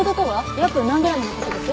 約何グラムの事です？